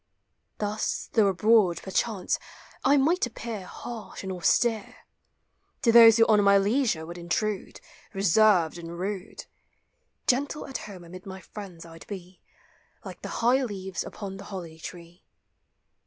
Thus, though abroad, perchance, I might appear Harsh and austere; To those who on my leisure would intrude, Beserved and rude; Gentle at home amid my friends I 'd be, Like the high leaves upon the holly tree.